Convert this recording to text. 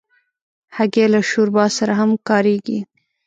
هګۍ له شوربا سره هم کارېږي.